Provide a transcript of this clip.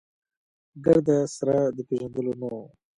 ګرد سره د پېژندلو نه و.